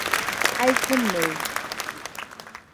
Item no.